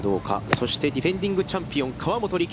そしてディフェンディングチャンピオン河本力。